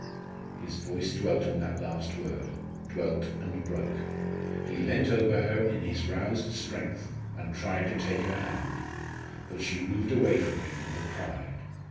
His voice dwelt on that last word, dwelt and broke. He leant over her in his roused strength, and tried to take her hand. But she moved away from him with a cry.